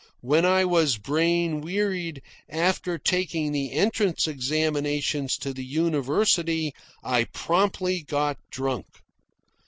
When I was brain wearied after taking the entrance examinations to the university, I promptly got drunk.